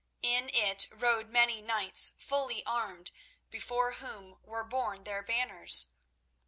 In it rode many knights fully armed, before whom were borne their banners.